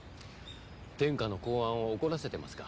天下の公安を怒らせてますか。